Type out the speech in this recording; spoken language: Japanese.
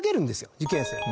受験生を。